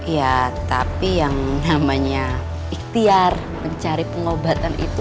ya tapi yang namanya ikhtiar mencari pengobatan itu